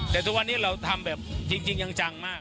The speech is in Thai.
แต่ทุกวันนี้เราทำแบบจริงจังมาก